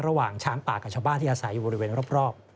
ระหว่างช้างป่ากับชาวบ้านที่อาศัยอยู่บริเวณรอบ